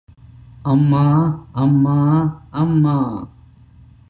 அம்மா, அம்மா, அம்மா!